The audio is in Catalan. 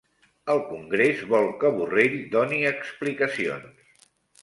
El congrés vol que Borrell doni explicacions